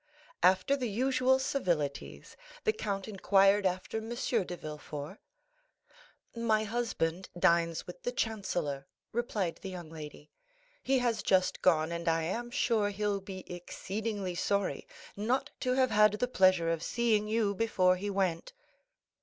After the usual civilities, the count inquired after M. de Villefort. "My husband dines with the chancellor," replied the young lady; "he has just gone, and I am sure he'll be exceedingly sorry not to have had the pleasure of seeing you before he went."